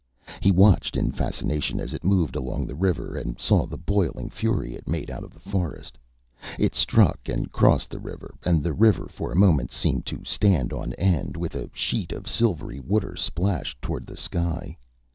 He watched in fascination as it moved along the river and saw the boiling fury it made out of the forest. It struck and crossed the river, and the river for a moment seemed to stand on end, with a sheet of silvery water splashed toward the sky.